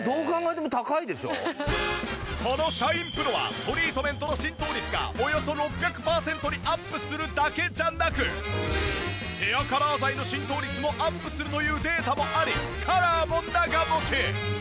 このシャインプロはトリートメントの浸透率がおよそ６００パーセントにアップするだけじゃなくへアカラー剤の浸透率もアップするというデータもありカラーも長持ち！